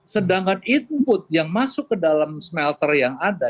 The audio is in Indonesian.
sedangkan input yang masuk ke dalam smelter yang ada